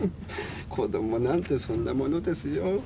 子供なんてそんなものですよ。